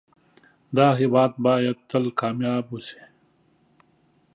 دا هيواد بايد تل کامیاب اوسی